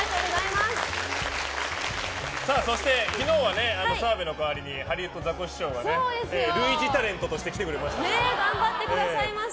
そして、昨日は澤部の代わりにハリウッドザコシショウが類似タレントとして頑張ってくださいました。